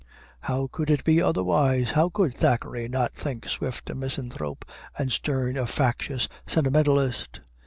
How could it be otherwise? How could Thackeray not think Swift a misanthrope and Sterne a factitious sentimentalist?